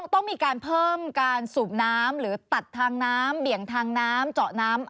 ต้องมีการเพิ่มการสูบน้ำหรือตัดทางน้ำเบี่ยงทางน้ำเจาะน้ำ